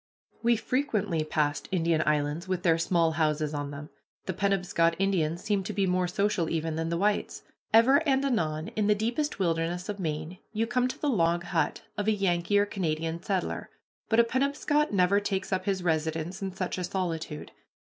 We frequently passed Indian islands with their small houses on them. The Penobscot Indians seem to be more social even than the whites. Ever and anon in the deepest wilderness of Maine you come to the log hut of a Yankee or Canada settler, but a Penobscot never takes up his residence in such a solitude.